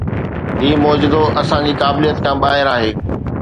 هي معجزو اسان جي قابليت کان ٻاهر آهي.